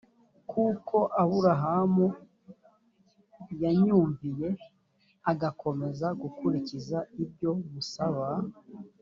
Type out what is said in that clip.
kuko aburahamu yanyumviye agakomeza gukurikiza ibyo musaba